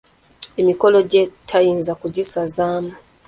Emikolo gye tayinza kugisazaamu.